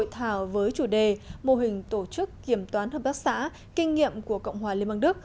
hội thảo với chủ đề mô hình tổ chức kiểm toán hợp tác xã kinh nghiệm của cộng hòa liên bang đức